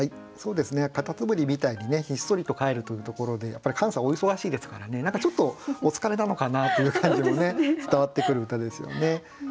カタツムリみたいにねひっそりと帰るというところでやっぱりカンさんお忙しいですからね何かちょっとお疲れなのかなという感じもね伝わってくる歌ですよね。